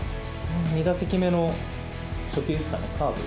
２打席目の初球ですかね、カーブ。